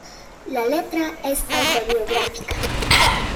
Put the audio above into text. La letra es autobiográfica.